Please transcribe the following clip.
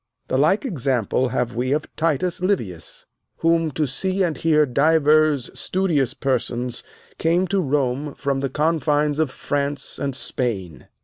The like example have we of Titus Livius, whom to see and hear divers studious persons came to Rome from the confines of France and Spain.